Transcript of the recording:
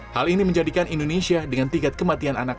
hal ini menjadikan indonesia dengan tingkat kematian anak